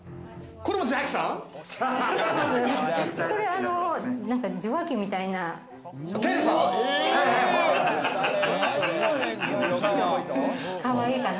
これ受話器みたいな。